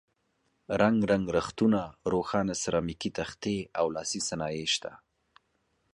رنګ رنګ رختونه، روښانه سرامیکي تختې او لاسي صنایع شته.